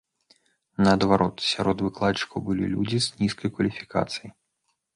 Наадварот, сярод выкладчыкаў былі людзі з нізкай кваліфікацыяй.